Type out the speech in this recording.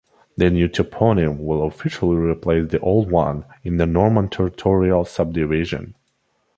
The new toponym will officially replace the old one in the Norman territorial subdivision.